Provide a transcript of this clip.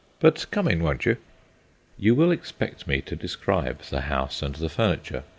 But come in, won't you?" You will expect me to describe the house and the furniture.